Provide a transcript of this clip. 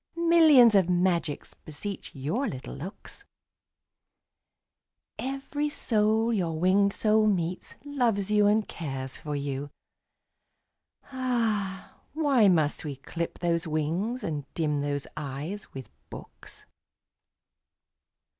Millions of magics beseech your little looks; Every soul your winged soul meets, loves you and cares for you. Ah! why must we clip those wings and dim those eyes with books?